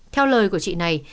theo lời của chị này